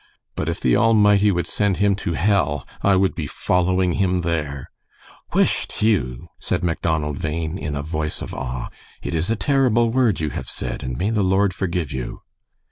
But if the Almighty would send him to hell, I would be following him there." "Whisht, Hugh," said Macdonald Bhain, in a voice of awe. "It is a terrible word you have said, and may the Lord forgive you."